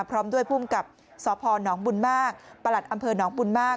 พร้อมด้วยภูมิกับสพนบุญมากประหลัดอำเภอหนองบุญมาก